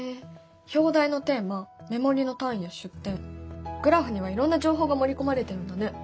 表題のテーマ目盛りの単位や出典グラフにはいろんな情報が盛り込まれてるんだね。